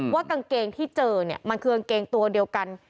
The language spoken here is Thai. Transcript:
ว่ากางเกงที่เจอมันคือกางเกงตัวเดียวกัน